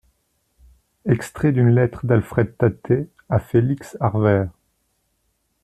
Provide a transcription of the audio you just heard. Extrait d'une lettre d'Alfred Tattet à Félix Arvers.